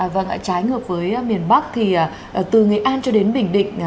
vâng ạ trái ngược với miền bắc thì từ nghệ an cho đến bình định